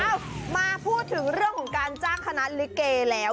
เอ้ามาพูดถึงเรื่องของการจ้างคณะหรือเก่แล้ว